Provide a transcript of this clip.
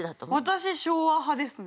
私「昭和」派ですね。